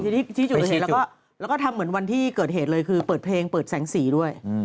ทีนี้ที่จุดเกิดเหตุแล้วก็ทำเหมือนวันที่เกิดเหตุเลยคือเปิดเพลงเปิดแสงสีด้วย